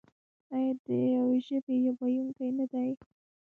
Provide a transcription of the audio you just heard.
آیا د یوې ژبې ویونکي نه دي؟